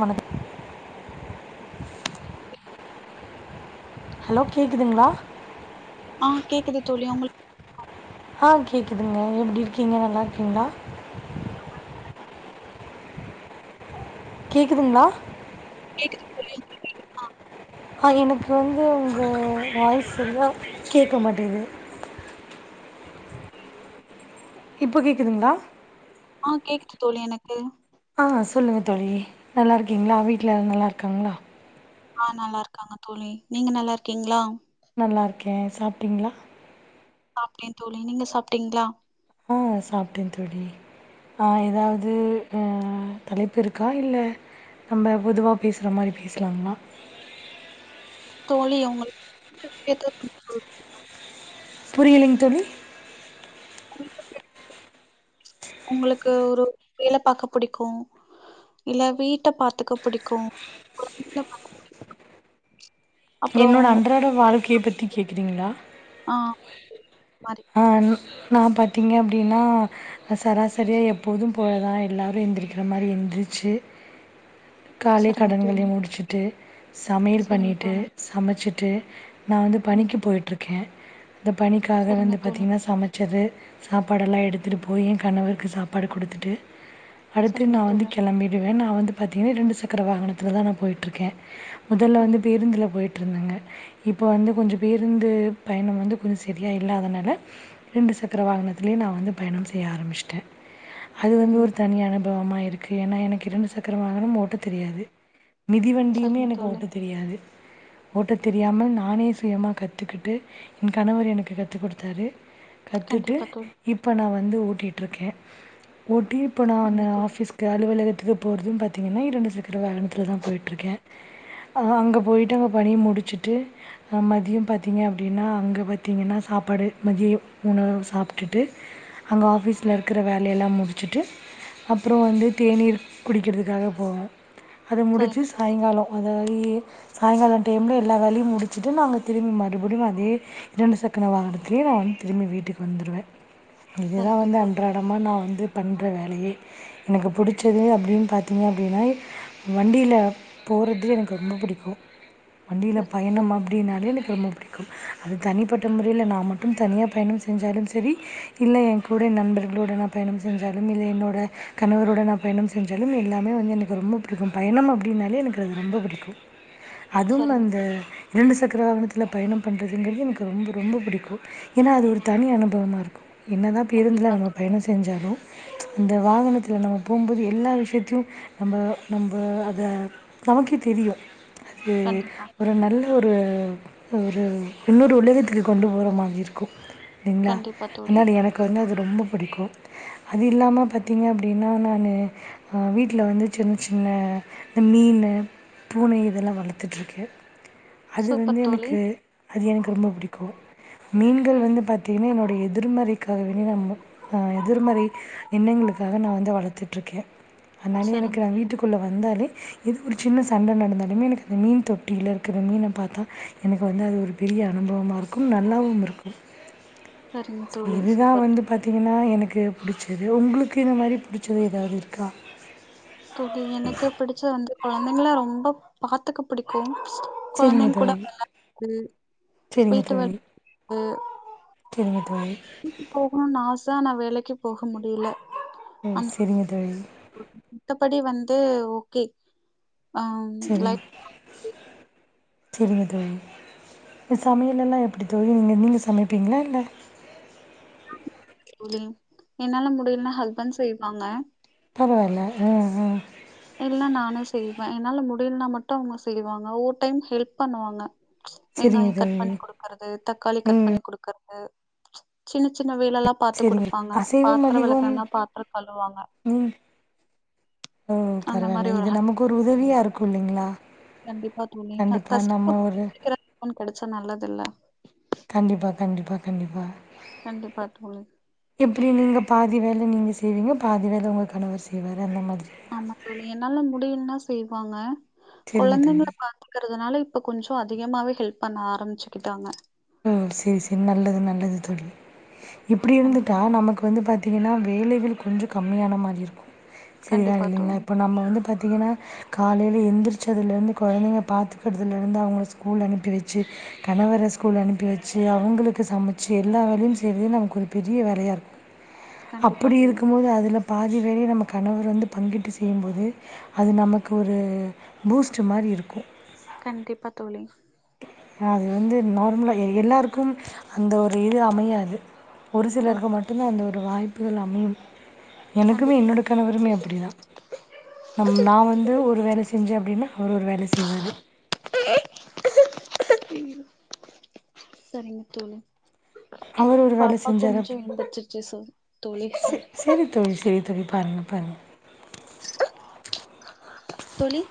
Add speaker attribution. Speaker 1: வணக்க ஹலோ கேக்குதுங்களா
Speaker 2: ஆ கேக்குது தோழி உங்களுக்கு
Speaker 1: ஆ கேட்குதுங்க எப்படி இருக்கீங்க நல்லா இருக்கீங்களா கேக்குதுங்களா
Speaker 2: கேக்குது தோழி அ
Speaker 1: அ எனக்கு வந்து உங்க வாய்ஸ் செறிய கேட்க மாட்டேது இப்போ கேக்குதுங்களா
Speaker 2: ஆஹ் கேக்குது தோழி எனக்கு
Speaker 1: ஆஹ் சொல்லுங்க தோழி நல்லா இருக்கீங்களா வீட்ல நல்லா இருக்காங்களா
Speaker 2: ஆஹ் நல்லா இருக்காங்க தோழி நீங்க நல்லா இருக்கீங்களா
Speaker 1: நல்லா இருக்கே சாப்ட்டிங்களா
Speaker 2: சாப்டே தோழி நீங்க சாப்டீங்களா
Speaker 1: ஆஹ் சாப்டே தோழி ஆஹ் ஏதாவது அஹ் தலைப்பு இருக்கா இல்ல நம்ம பொதுவா பேசுற மாரி பேசலாங்களா
Speaker 2: தோழி உங்களுக்கு [unintelligible]
Speaker 1: புரியலிங் தோழி
Speaker 2: உங்களுக்கு ஒரு வேல பாக்க புடிக்கு இல்ல வீட்ட பாத்துக்க புடிக்கோ கொழந்தைங்கள பாத்துக்க
Speaker 1: என்னோட அன்றாட வாழ்க்கைய பத்தி கேக்குறீங்களா
Speaker 2: ஆ மாரி
Speaker 1: ஆ ன் நா பாத்தீங்க அப்டின்னா சராசரியா எப்போதும் போல தா எல்லாரும் எந்திரக்கிற மாரி எந்திரிச் சு காலை
Speaker 2: சரிங்க தோழி
Speaker 1: கடன்களை முடிச்சுட்டு சமையல்
Speaker 2: சரிங்க
Speaker 1: பண்ணிட்டு
Speaker 2: தோழி
Speaker 1: சமைச்சிட்டு நா வந்து
Speaker 2: ம்
Speaker 1: பணிக்கு போயிட்டுருக்கே அந்த பணிக்காக
Speaker 2: சரிங்க
Speaker 1: வந்து
Speaker 2: தோழி
Speaker 1: பாத்தீங்கன்னா சமச் ச்சது சாப்பாடெல்லா எடுத்துட்டு போயி என் கணவருக்கு சாப்பாடு குடுத்துடு அடுத்து
Speaker 2: சரிங்க
Speaker 1: நா வந்து
Speaker 2: தோழி
Speaker 1: கெளம்பிடுவே நா வந்து பாத்தீங்கன்னா இரண்டு சக்கர வாகனத்துலதா நா போயிட்டு இருக்கே முதல்ல வந்து
Speaker 2: ம்
Speaker 1: பேருந்துல போயிட் ருந்தங்க இப்போ வந்து கொஞ்சோ பேருந்து பயணம் வந்து கொஞ்சோ செரியா இல்லாதனால இரண்டு சக்கர வாகனத்திலயும் நா வந்து பயணம் செய்ய ஆரம்பிச்சிட்டே அது வந்து
Speaker 2: சரிங்க
Speaker 1: ஒரு தனியனுப் பவமா இருக்கு ஏன்னா எனக்கு இரண்டு சக்கர வங்கனம் ஓட்ட தெரியாது மிதிவண்டியுமே
Speaker 2: சரிங்க
Speaker 1: எனக்கு
Speaker 2: தோழி
Speaker 1: ஓட்ட தெரியாது ஓட்ட தெரியாமல் நானே சுயமா கத்துக்கிட்டு என் கணவர் எனக்கு கத்துக் கொடுத் தாரு கத்துட்டு
Speaker 2: கண்டிப்பா தோழி
Speaker 1: இப்போ நான் வந்து ஓடிட்ருக்கே ஓட்டி இப்போ நானு
Speaker 2: சரிங்க தோழி
Speaker 1: ஆஃபீஸ்க்கு அலுவலக து போறதும் பாத்தீங்கன்னா இரண்டு சக்கர வாகனத்துல தா போயிட்டு இருக்கே அங்க போயிட்டு அங்க பணிய முடிச்சுட்டு மதியம் பாத்தீங்க அப்டின்னா அங்க பாத்தீங்கன்னா சாப்பாடு மதியோ உணவு சாப்டுட்டு அங்க ஆஃபீஸ்ல இருக்கிற வேலயெல்லா முடிச்சுட்டு அப்புறோ வந்து தேநீர் குடிக்கிறதுக்காக போவ அது முடிச்சு
Speaker 2: சரிங்க தோழி
Speaker 1: சாயங்காலம் அதாவ சாயங்கால டைம்ல எல்லா வேலயும் முடிச்சுட்டு நாங்க திரும்பி மறுபடியும் அதே இரண்டு சக்கர வாகனத் துலயே நா வந்து திரும்பி வீட்டுக்கு வந்துருவே இதுதா
Speaker 2: சரிங்க
Speaker 1: வந்து
Speaker 2: தோழி
Speaker 1: அன்றாடமா நா வந்து பண்ற வேலயே எனக்கு புடிச்சது அப்டின்னு பாத்தீங்க அப்டின்னா வண்டியில போ போறதே எனக்கு ரொம்ப புடிக்கும் வண்டியில
Speaker 2: சரிங்க
Speaker 1: பயணம்
Speaker 2: தோழி
Speaker 1: அப்டினாலே எனக்கு ரொம்ப புடிக்கும் அது தனிப்பட்ட முறையில நா மட் ம் தனியா பயணம் செஞ்சாலும் சரி இல்ல என் கூட நண்பர்களோட நா பயணம் செஞ்சாலும் இல்ல என்னோட கணவரோட நா பயணம் செஞ்சாலும் எல்லாமே வந்து எனக்கு ரொம்ப புடிக்கும் பயணம் அப்டின்னாலே எனக்கு அது ரொம்ப புடிக்கும் அதுவும்
Speaker 2: சரிங்க
Speaker 1: அந்த இரண்டு சக்கர வாகனத்தில பயணம் பண்ணுறதுங்கிறது எனக்கு ரொம்ப ரொம்ப புடிக்கோ ஏன்னா அது ஒரு தனி அனுபவமா இருக்கோ என்ன தான் பேருந்தில
Speaker 2: கண்டிப்பா
Speaker 1: நம்ம
Speaker 2: தோழி
Speaker 1: பயணம் செஞ்சாலும் அந்த வாகனத்தில் நம்ம போம்போது எல்லா விஷயத்தயும் நம்ம நம்ம அத நமக்கே தெரியும் அது
Speaker 2: கண்டிப்பா
Speaker 1: ஒரு நல்ல ஒரு ஒரு இன்னொரு உலகத்துக்கு கொண்டு போற மாறி இருக்கும் இல்லிங்கா
Speaker 2: கண்டிப்பா தோழி
Speaker 1: முன்னாடி எனக்கு வந்து அது ரொம்ப புடிக்கும் அது இல்லாம பாத்தீங்க அப்டின்னா நானு அஹ் வீட்ல வந்து சின் சின்ன இந்த மீனு பூனை இதெல்லாம் வளர்த்துட்டுருக்கே அது
Speaker 2: சூப்பர்
Speaker 1: வந்து
Speaker 2: தோழி
Speaker 1: எனக்கு அது எனக்கு ரொம்ப புடிக்கும் மீன்கள் வந்து பாத்தீங்கன்னா என்னோடைய எதிர்மறைக்காகவே நம்ம எதிர்மறை எண்ணங்களுக்கு அதுக்காக நா வந்து வளர்த்துட்டு இருக்கே அதனால எனக்கு
Speaker 2: சரிங்க
Speaker 1: நா
Speaker 2: தோழி.
Speaker 1: வீட்டுக்குள்ள வந்தாலே எது ஒரு சின்ன சண்ட நடந்தாலுமே எனக்கு அந்த மீன் தொட்டியில் இருக்கிற மீன பாத்தா எனக்கு வந்து அது ஒரு பெரி ய அனுபவமா இருக்கும் இருக்கு
Speaker 2: சரிங்க
Speaker 1: செ
Speaker 2: தோழி
Speaker 1: இதுதான்
Speaker 2: சூப்பர்
Speaker 1: வந்து
Speaker 2: தோழி
Speaker 1: பாத்தீங்கன்னா எனக் கு பிடிச்சது உங்களுக்கு இந்த மாதிரி பிடிச்சது ஏதாவ்து இருக்கா
Speaker 2: தோழி எனக்கு பிடிச்ச வந்து கொழந்தைங்கள ரொம்ப பாத்துக்கு பிடிக்கும்
Speaker 1: சரிங்க
Speaker 2: கொழந்தைங்க கூட
Speaker 1: தோழி
Speaker 2: விளாடுறது வீட்டு [unintelligible] து
Speaker 1: செரிங்க தோழி
Speaker 2: ஸா நான் வேலைக்கு போக முடியல
Speaker 1: ம்
Speaker 2: அந்த
Speaker 1: செரிங்க தோழி
Speaker 2: மத்தபடி வந்து ஓகே அம் லைஃப்
Speaker 1: செரிங்க தோழி அ சமையல்ல எல்லா எப்படி தோழி நீங்க நீங்க சமைப்பீங்களா இல்ல
Speaker 2: தோழி என்னால முடியலன்னா ஹஸ்பண்ட் செய்வாங்க
Speaker 1: பரவால ம் ம்
Speaker 2: இல்ல நானு செய்வேன் என்னால முடியலனா மட்டும் அவங்க செய்வாங்க ஓர் டைம் ஹெல்ப் பண்ணுவாங்க
Speaker 1: சரிங்க
Speaker 2: வெங்காயம் கட்
Speaker 1: தோழி
Speaker 2: பண்ணி குடுக்குறது தக்காளி கட்
Speaker 1: ம்
Speaker 2: பண்ணி குடுக்குறது சின்ன சின்ன சின்ன வேல எல்லா பாத்து
Speaker 1: சரிங்க
Speaker 2: குடுப்பாங்க
Speaker 1: அசைவம்
Speaker 2: பாத்திர
Speaker 1: அதிகம்
Speaker 2: விளக்களனா பாத்திரம் கழுவாங்க
Speaker 1: ம் ஓ
Speaker 2: அந்த மாரி
Speaker 1: பரவாயில்ல இது
Speaker 2: ஹெல்ப்
Speaker 1: நமக்கு ஒரு உதவியா இருக்கும் இல்லைங்களா
Speaker 2: கண்டிப்பா தோழி க
Speaker 1: கண்டிப்பா நம்ம
Speaker 2: கஷ்டப்
Speaker 1: ஒரு
Speaker 2: [unintelligible] ஹஸ்பண்ட் கிடைச்சா நல்லது இல்ல
Speaker 1: கண்டிப்பா கண்டிப்பா கண்டிப்பா
Speaker 2: கண்டிப்பா தோழி.
Speaker 1: எப்படி நீங்க பாதி வேல நீங்க செ ய்வீங்க பாதி வேல உங்க கணவர் செய்வாரு அந்த மாதி
Speaker 2: ஆமா தோழி என்னால முடியலன்னா செய்வாங்க
Speaker 1: சரிங்க
Speaker 2: கொழந்தைங்கள
Speaker 1: தோழி
Speaker 2: பாத்துக்குறதுனால இப்ப கொஞ்சம் அதிகமாவே ஹெல்ப் பண்ண ஆரம்பிச்சுக்கிட்டாங்க
Speaker 1: ஓ செரி செரி நல்லது நல்லது தோழி இப்டி இருந்துட்டா
Speaker 2: கண்டிப்பா தோழி.
Speaker 1: நமக்கு வந்து பாத் தீங்கனா வேலைகள் கொஞ்சொ கம்மியான மாதிரி இருக்கும் செரிதா
Speaker 2: கண்டிப்பா
Speaker 1: இல்லைங்களா
Speaker 2: தோழி.
Speaker 1: இப்போ நம்ம வந்து பாத்திங்கன்னா காலையில எழந்திரிச்சதுலருந்து கொழந்தைங்க பாத்துக்கறதுலருந்து அவங்கள ஸ்கூல் அனுப்பி வச்சு கணவர ஸ் கூல் அனுப்பி வச்சு அவங்களுக்கு சமைச்சு எல்லா வேலையும் செய்றது நமக்கு ஒரு பெரிய வேலையா இருக்
Speaker 2: கண்டிப்பா
Speaker 1: அப்படி
Speaker 2: தோழி.
Speaker 1: இருக்கும் போது அதுல பாதி வேலை நம்ம கணவர் வந்து பங்கிட்டு செய்யும்போது அது நமக்கு ஒரு பூஸ்ட் மாரி இருக்கு
Speaker 2: கண்டிப்பா தோழி
Speaker 1: அது வந்து நார்ம்லா எ எல்லாருக்கும் அந்த ஒரு இது அமையாது ஒரு சிலருக்கு
Speaker 2: கண்டிப்பா
Speaker 1: மட்டுதா இந்த ஒரு வாய்புகள் அமையும் எனக்குமே
Speaker 2: கண்டிப்பா
Speaker 1: என்னோட
Speaker 2: தோழி
Speaker 1: கணவருமே அப்டிதா நம் நா வந்து ஒரு வேலை செஞ்ச அப்டினா அவரு ஒரு வேலை செய்வாரு
Speaker 2: சரிங்க தோழி
Speaker 1: உஹ [unintelligible] அவர் ஒரு வேல
Speaker 2: பாப்பா
Speaker 1: செஞ்சாரு
Speaker 2: கொஞ்சோ எந்திரிச்சிருச்சு சோ தோழி
Speaker 1: சே
Speaker 2: சாரி
Speaker 1: சேரி தோழி சேரி தோழி பாருங்க பாருங்க
Speaker 2: தோழி